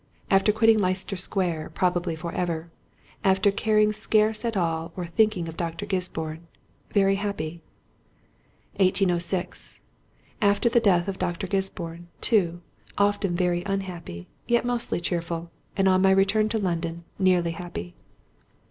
After quitting Leicester Square probably for ever—after caring scarce at all or thinking of Dr. Gisborne ... very happy.... 1806.... After the death of Dr. Gisborne, too, often very unhappy, yet mostly cheerful, and on my return to London nearly happy.